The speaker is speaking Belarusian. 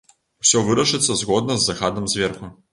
Усё вырашыцца згодна з загадам зверху.